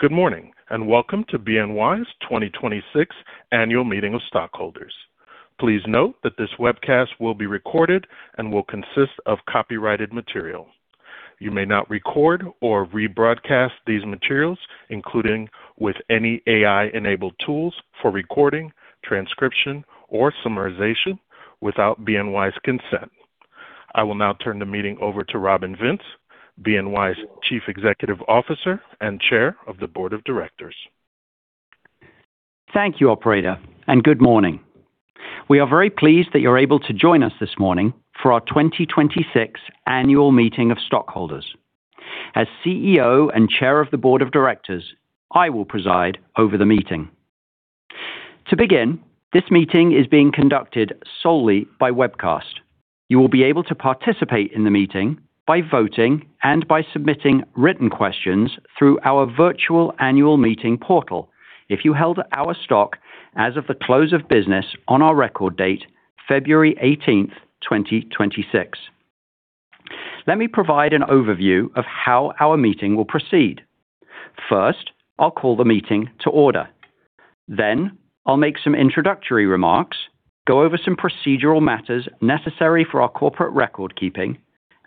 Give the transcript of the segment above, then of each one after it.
Good morning, and welcome to BNY's 2026 annual meeting of Stockholders. Please note that this webcast will be recorded and will consist of copyrighted material. You may not record or rebroadcast these materials, including with any AI-enabled tools for recording, transcription, or summarization without BNY's consent. I will now turn the meeting over to Robin Vince, BNY's Chief Executive Officer and Chair of the Board of Directors. Thank you, operator, and good morning. We are very pleased that you're able to join us this morning for our 2026 annual meeting of Stockholders. As CEO and Chair of the Board of Directors, I will preside over the meeting. To begin, this meeting is being conducted solely by webcast. You will be able to participate in the meeting by voting and by submitting written questions through our virtual annual meeting portal if you held our stock as of the close of business on our record date, February 18th, 2026. Let me provide an overview of how our meeting will proceed. First, I'll call the meeting to order. I'll make some introductory remarks, go over some procedural matters necessary for our corporate record-keeping,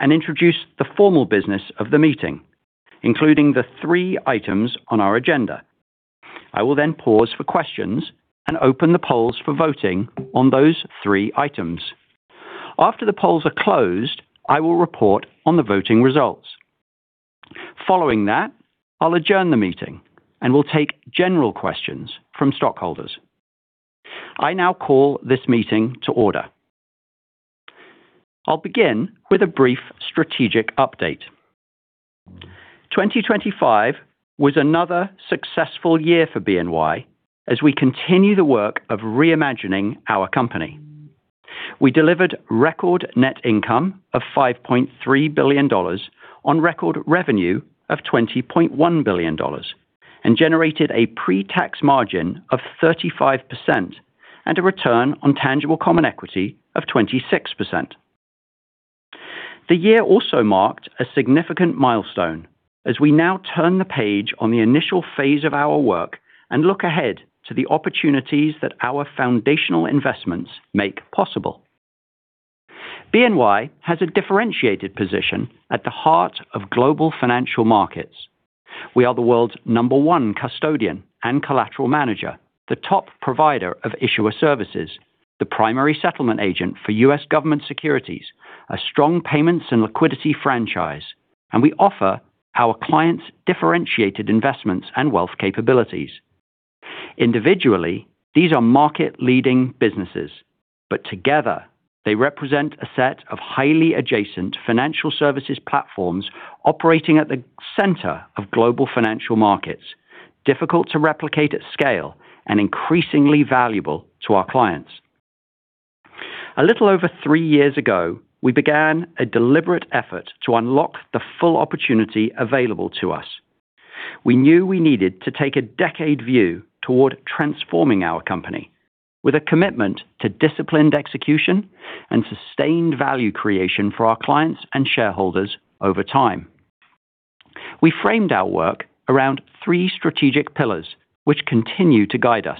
and introduce the formal business of the meeting, including the three items on our agenda. I will then pause for questions and open the polls for voting on those three items. After the polls are closed, I will report on the voting results. Following that, I'll adjourn the meeting, and we'll take general questions from stockholders. I now call this meeting to order. I'll begin with a brief strategic update. 2025 was another successful year for BNY as we continue the work of reimagining our company. We delivered record net income of $5.3 billion on record revenue of $20.1 billion and generated a pre-tax margin of 35% and a return on tangible common equity of 26%. The year also marked a significant milestone as we now turn the page on the initial phase of our work and look ahead to the opportunities that our foundational investments make possible. BNY has a differentiated position at the heart of global financial markets. We are the world's number one custodian and collateral manager, the top provider of Issuer Services, the primary settlement agent for U.S. government securities, a strong Payments and Liquidity franchise, and we offer our clients differentiated Investments and Wealth capabilities. Individually, these are market-leading businesses, but together they represent a set of highly adjacent financial services platforms operating at the center of global financial markets, difficult to replicate at scale, and increasingly valuable to our clients. A little over three years ago, we began a deliberate effort to unlock the full opportunity available to us. We knew we needed to take a decade view toward transforming our company with a commitment to disciplined execution and sustained value creation for our clients and shareholders over time. We framed our work around three strategic pillars, which continue to guide us.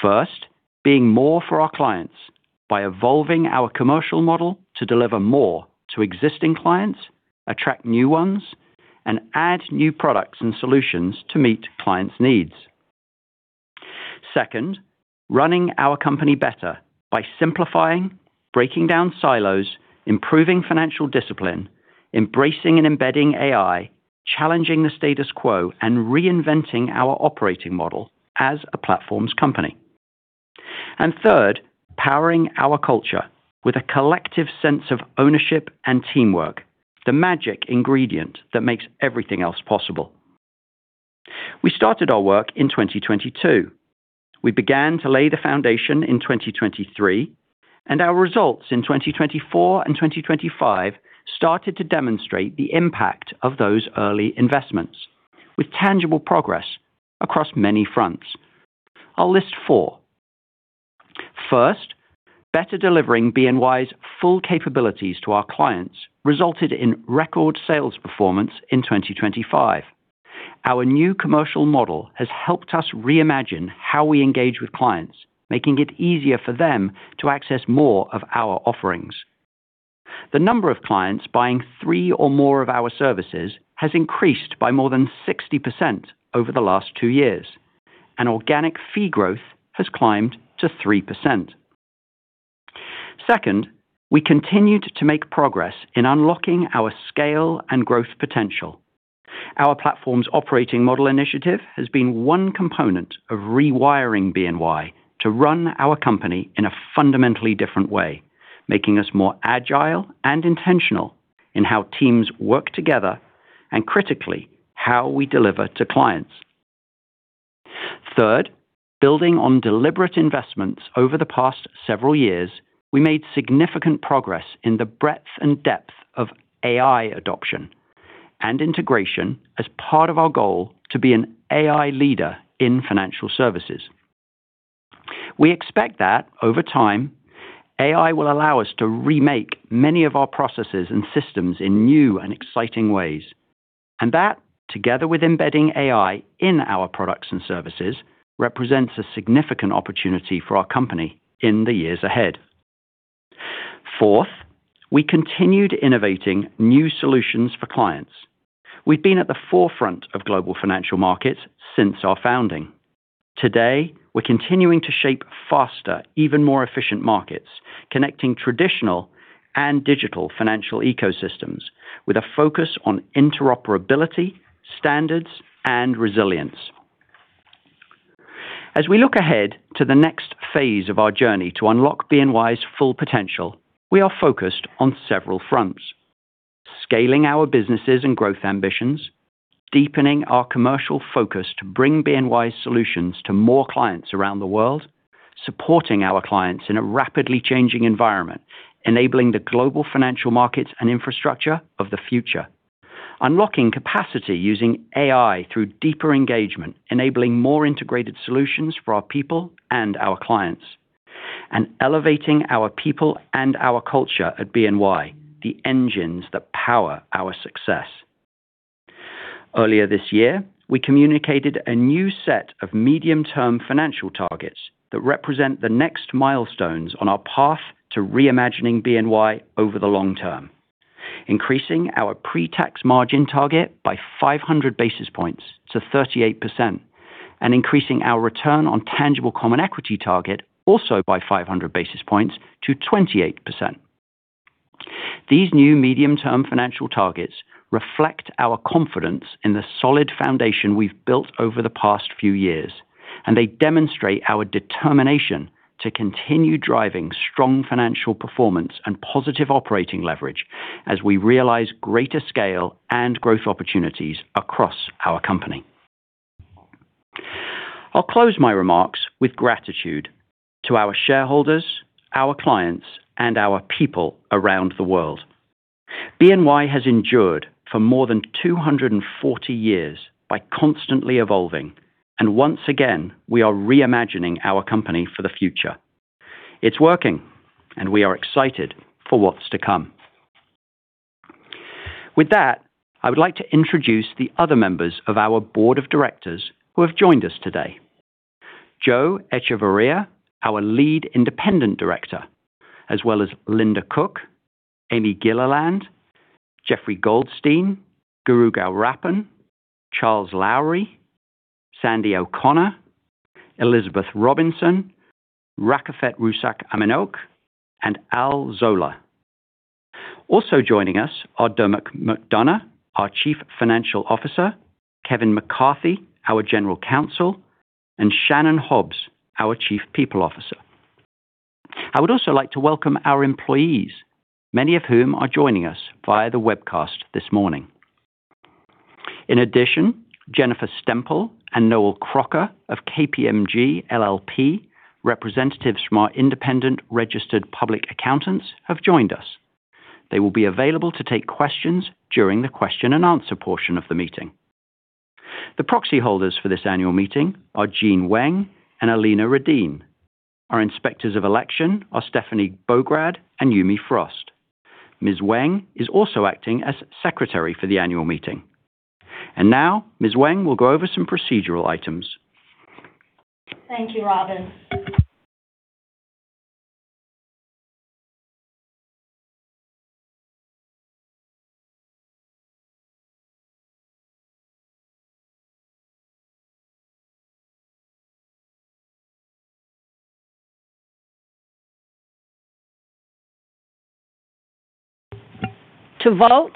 First, being more for our clients by evolving our commercial model to deliver more to existing clients, attract new ones, and add new products and solutions to meet clients' needs. Second, running our company better by simplifying, breaking down silos, improving financial discipline, embracing and embedding AI, challenging the status quo, and reinventing our operating model as a platforms company. Third, powering our culture with a collective sense of ownership and teamwork, the magic ingredient that makes everything else possible. We started our work in 2022. We began to lay the foundation in 2023, and our results in 2024 and 2025 started to demonstrate the impact of those early investments with tangible progress across many fronts. I'll list four. First, better delivering BNY's full capabilities to our clients resulted in record sales performance in 2025. Our new commercial model has helped us reimagine how we engage with clients, making it easier for them to access more of our offerings. The number of clients buying three or more of our services has increased by more than 60% over the last two years, and organic fee growth has climbed to 3%. Second, we continued to make progress in unlocking our scale and growth potential. Our platform's operating model initiative has been one component of rewiring BNY to run our company in a fundamentally different way, making us more agile and intentional in how teams work together and critically, how we deliver to clients. Third, building on deliberate investments over the past several years, we made significant progress in the breadth and depth of AI adoption and integration as part of our goal to be an AI leader in financial services. We expect that over time, AI will allow us to remake many of our processes and systems in new and exciting ways. That, together with embedding AI in our products and services, represents a significant opportunity for our company in the years ahead. Fourth, we continued innovating new solutions for clients. We've been at the forefront of global financial markets since our founding. Today, we're continuing to shape faster, even more efficient markets, connecting traditional and digital financial ecosystems with a focus on interoperability, standards, and resilience. As we look ahead to the next phase of our journey to unlock BNY's full potential, we are focused on several fronts. Scaling our businesses and growth ambitions, deepening our commercial focus to bring BNY's solutions to more clients around the world, supporting our clients in a rapidly changing environment, enabling the global financial markets and infrastructure of the future, unlocking capacity using AI through deeper engagement, enabling more integrated solutions for our people and our clients, and elevating our people and our culture at BNY, the engines that power our success. Earlier this year, we communicated a new set of medium-term financial targets that represent the next milestones on our path to reimagining BNY over the long term, increasing our pre-tax margin target by 500 basis points to 38% and increasing our return on tangible common equity target also by 500 basis points to 28%. These new medium-term financial targets reflect our confidence in the solid foundation we've built over the past few years, and they demonstrate our determination to continue driving strong financial performance and positive operating leverage as we realize greater scale and growth opportunities across our company. I'll close my remarks with gratitude to our shareholders, our clients, and our people around the world. BNY has endured for more than 240 years by constantly evolving, and once again, we are reimagining our company for the future. It's working, and we are excited for what's to come. With that, I would like to introduce the other members of our Board of Directors who have joined us today: Joe Echevarria, our Lead Independent Director, as well as Linda Cook, Amy Gilliland, Jeffrey Goldstein, Guru Gowrappan, Charles Lowrey, Sandie O'Connor, Elizabeth Robinson, Rakefet Russak-Aminoach, and Al Zollar. Also joining us are Dermot McDonogh, our Chief Financial Officer, Kevin McCarthy, our General Counsel, and Shannon Hobbs, our Chief People Officer. I would also like to welcome our employees, many of whom are joining us via the webcast this morning. In addition, Jennifer Stempel and Noel Crocker of KPMG LLP, representatives from our independent registered public accountants, have joined us. They will be available to take questions during the question and answer portion of the meeting. The Proxy Holders for this annual meeting are Jean Weng and Alina Radin. Our Inspectors of Election are Stephanie Bograd and Yumi Frost. Ms. Weng is also acting as Secretary for the annual meeting. Now Ms. Weng will go over some procedural items. Thank you, Robin. To vote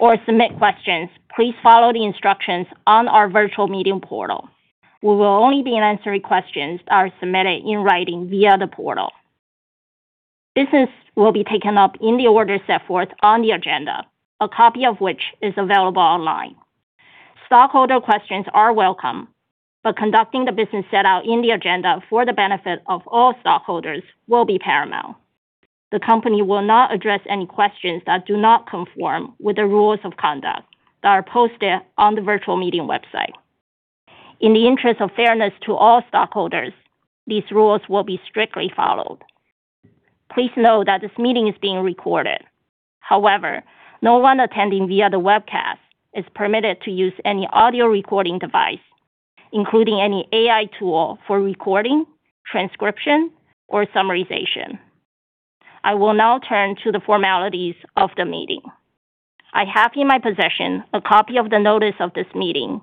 or submit questions, please follow the instructions on our virtual meeting portal. We will only be answering questions that are submitted in writing via the portal. Business will be taken up in the order set forth on the agenda, a copy of which is available online. Stockholder questions are welcome, but conducting the business set out in the agenda for the benefit of all stockholders will be paramount. The Company will not address any questions that do not conform with the rules of conduct that are posted on the virtual meeting website. In the interest of fairness to all stockholders, these rules will be strictly followed. Please know that this meeting is being recorded. However, no one attending via the webcast is permitted to use any audio recording device, including any AI tool for recording, transcription, or summarization. I will now turn to the formalities of the meeting. I have in my possession a copy of the notice of this meeting,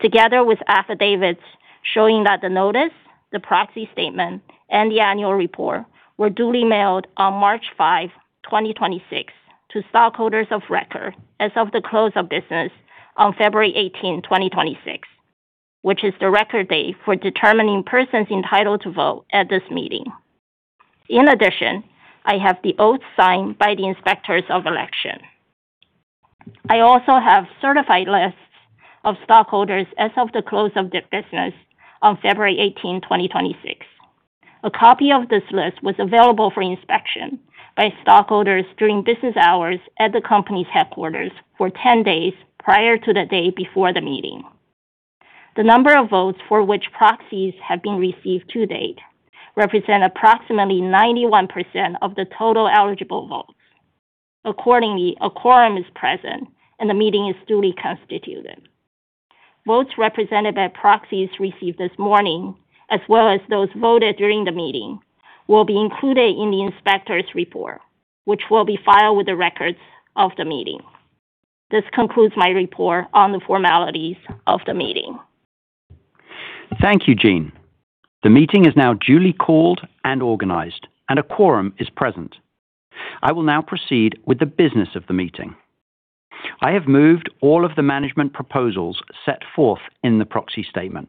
together with affidavits showing that the notice, the proxy statement, and the annual report were duly mailed on March 5, 2026 to stockholders of record as of the close of business on February 18, 2026, which is the record date for determining persons entitled to vote at this meeting. In addition, I have the oath signed by the Inspectors of Election. I also have certified lists of stockholders as of the close of business on February 18, 2026. A copy of this list was available for inspection by stockholders during business hours at the Company's headquarters for 10 days prior to the day before the meeting. The number of votes for which proxies have been received to date represent approximately 91% of the total eligible votes. Accordingly, a quorum is present, and the meeting is duly constituted. Votes represented by proxies received this morning, as well as those voted during the meeting, will be included in the Inspector's report, which will be filed with the records of the meeting. This concludes my report on the formalities of the meeting. Thank you, Jean. The meeting is now duly called and organized, and a quorum is present. I will now proceed with the business of the meeting. I have moved all of the management proposals set forth in the proxy statement.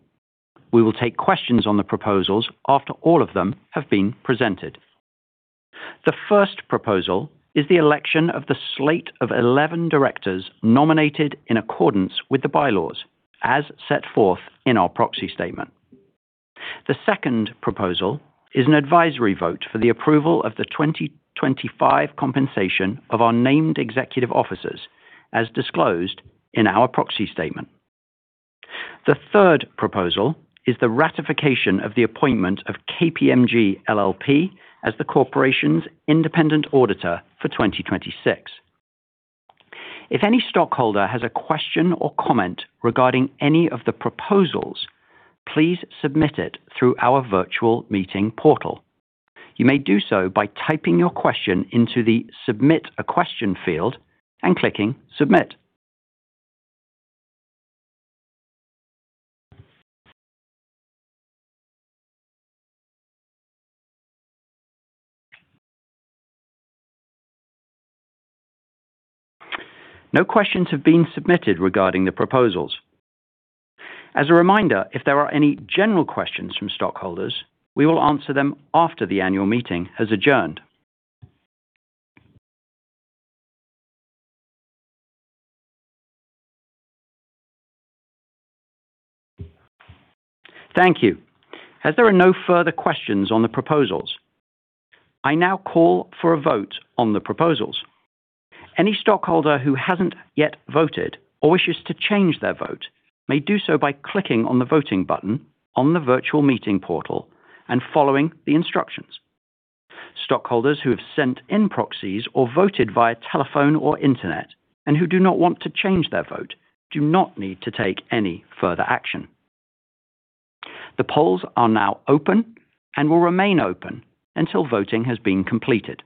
We will take questions on the proposals after all of them have been presented. The first proposal is the election of the slate of 11 directors nominated in accordance with the bylaws, as set forth in our proxy statement. The second proposal is an advisory vote for the approval of the 2025 compensation of our named executive officers, as disclosed in our proxy statement. The third proposal is the ratification of the appointment of KPMG LLP as the corporation's independent auditor for 2026. If any stockholder has a question or comment regarding any of the proposals, please submit it through our virtual meeting portal. You may do so by typing your question into the Submit a Question field and clicking Submit. No questions have been submitted regarding the proposals. As a reminder, if there are any general questions from stockholders, we will answer them after the annual meeting has adjourned. Thank you. As there are no further questions on the proposals, I now call for a vote on the proposals. Any stockholder who hasn't yet voted or wishes to change their vote may do so by clicking on the voting button on the virtual meeting portal and following the instructions. Stockholders who have sent in proxies or voted via telephone or internet, and who do not want to change their vote, do not need to take any further action. The polls are now open and will remain open until voting has been completed.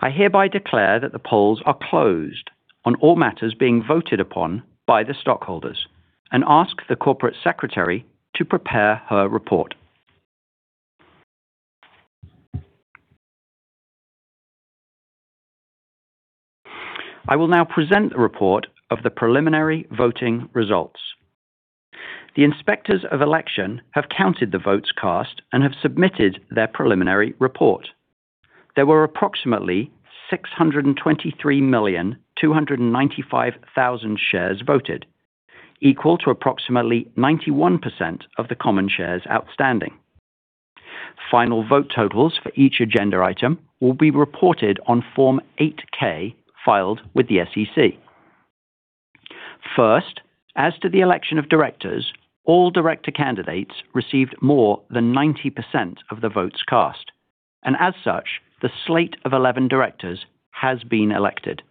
I hereby declare that the polls are closed on all matters being voted upon by the stockholders and ask the Corporate Secretary to prepare her report. I will now present the report of the preliminary voting results. The Inspectors of Election have counted the votes cast and have submitted their preliminary report. There were approximately 623,295,000 shares voted, equal to approximately 91% of the common shares outstanding. Final vote totals for each agenda item will be reported on Form 8-K filed with the SEC. First, as to the election of directors, all director candidates received more than 90% of the votes cast, and as such, the slate of 11 directors has been elected.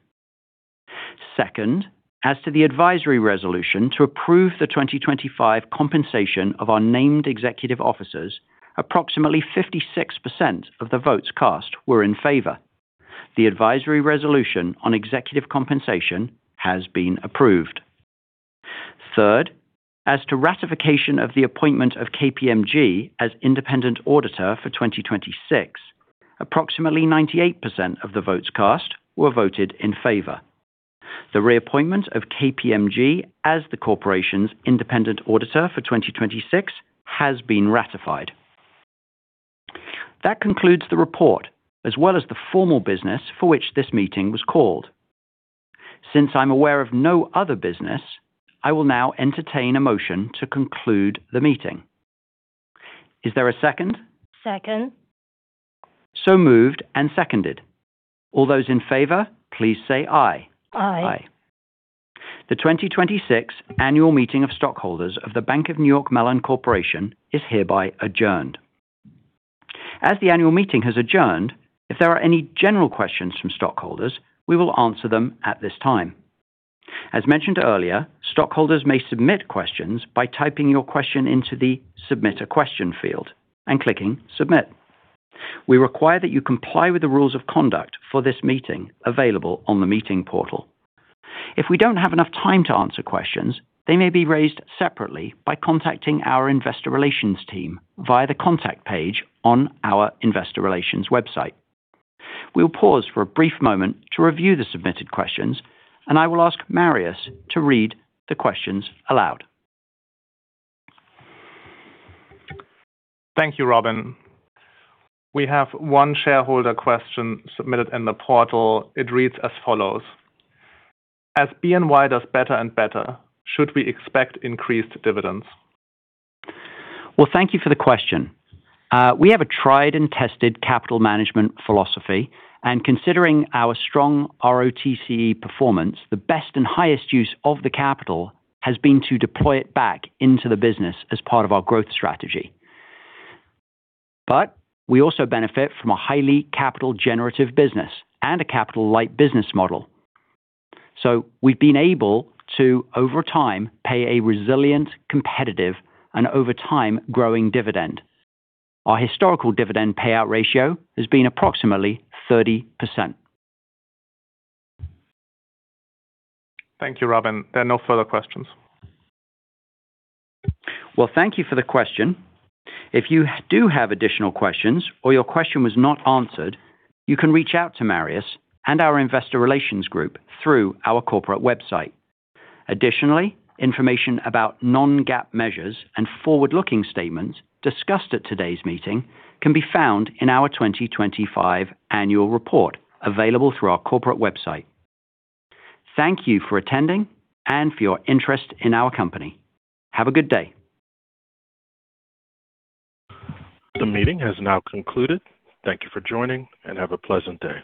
Second, as to the advisory resolution to approve the 2025 compensation of our named executive officers, approximately 56% of the votes cast were in favor. The advisory resolution on executive compensation has been approved. Third, as to ratification of the appointment of KPMG as independent auditor for 2026, approximately 98% of the votes cast were voted in favor. The reappointment of KPMG as the Corporation's independent auditor for 2026 has been ratified. That concludes the report, as well as the formal business for which this meeting was called. Since I'm aware of no other business, I will now entertain a motion to conclude the meeting. Is there a second? Second. Moved and seconded. All those in favor, please say aye. Aye. The 2026 annual meeting of Stockholders of The Bank of New York Mellon Corporation is hereby adjourned. As the Annual Meeting has adjourned, if there are any general questions from stockholders, we will answer them at this time. As mentioned earlier, stockholders may submit questions by typing your question into the Submit a Question field and clicking Submit. We require that you comply with the Rules of Conduct for this meeting available on the meeting portal. If we don't have enough time to answer questions, they may be raised separately by contacting our investor relations team via the contact page on our investor relations website. We'll pause for a brief moment to review the submitted questions, and I will ask Marius to read the questions aloud. Thank you, Robin. We have one shareholder question submitted in the portal. It reads as follows. As BNY does better and better, should we expect increased dividends? Well, thank you for the question. We have a tried-and-tested capital management philosophy, and considering our strong ROTCE performance, the best and highest use of the capital has been to deploy it back into the business as part of our growth strategy. We also benefit from a highly capital-generative business and a capital-light business model. We've been able to, over time, pay a resilient, competitive, and over time, growing dividend. Our historical dividend payout ratio has been approximately 30%. Thank you, Robin. There are no further questions, Well, thank you for the question. If you do have additional questions or your question was not answered, you can reach out to Marius and our investor relations group through our corporate website. Additionally, information about non-GAAP measures and forward-looking statements discussed at today's meeting can be found in our 2025 annual report, available through our corporate website. Thank you for attending and for your interest in our company. Have a good day. The meeting has now concluded. Thank you for joining, and have a pleasant day.